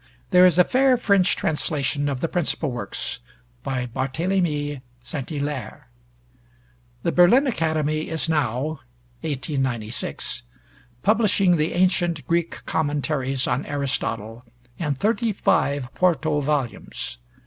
There is a fair French translation of the principal works by Barthélemy St. Hilaire. The Berlin Academy is now (1896) publishing the ancient Greek commentaries on Aristotle in thirty five quarto volumes.